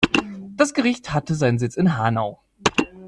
Das Gericht hatte seinen Sitz in Hanau.